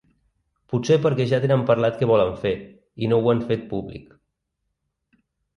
Potser perquè ja tenen parlat què volen fer i no ho han fet públic.